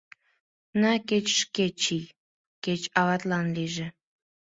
На кеч шке чий, кеч аватлан лийже.